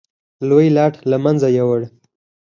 لوی لاټ له منځه یووړ.